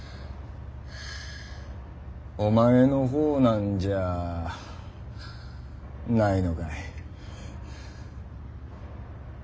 おまえの方なんじゃあないのかい？